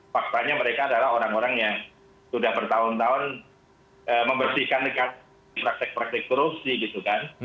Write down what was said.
faktanya mereka adalah orang orang yang sudah bertahun tahun membersihkan praktek praktik korupsi gitu kan